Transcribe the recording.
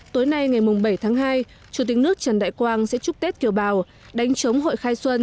tối nay ngày bảy tháng hai chủ tịch nước trần đại quang sẽ chúc tết kiều bào đánh chống hội khai xuân